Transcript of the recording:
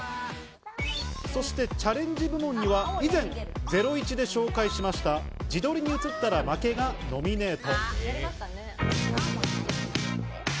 チャレンジ部門には以前『ゼロイチ』で紹介した自撮りに写ったら負けがノミネート。